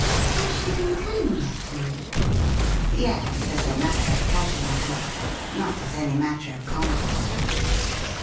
' Has she been telling that to you .?'' Yes — as a matter of casual talk, not as any matter of confidence.'